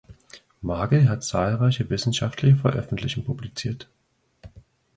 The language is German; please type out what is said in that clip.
Magel hat zahlreiche wissenschaftliche Veröffentlichungen publiziert.